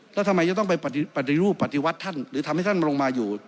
แล้วทำไมจะต้องไปปฏิรูปปฏิวัติท่านหรือทำให้ท่านลงมาอยู่